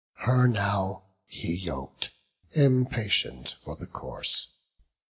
Her now he yok'd, impatient for the course.